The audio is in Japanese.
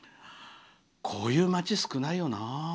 こういう町、少ないよな。